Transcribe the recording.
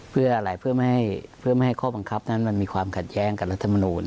เพื่ออะไรเพื่อไม่ให้ข้อบังคับนั้นมันมีความขัดแย้งกับรัฐมนูล